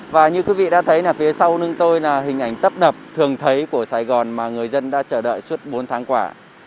và như quý vị đã thấy phía sau nâng tôi là hình ảnh tấp đập thường thấy của sài gòn mà người dân đã chờ đợi suốt bốn tháng quả